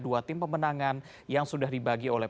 dua tim pemenangan yang sudah dibagi oleh